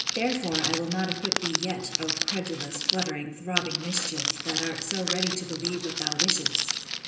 Therefore will I not acquit thee yet, O credulous, fluttering, throbbing mischief! that art so ready to believe what thou wishest!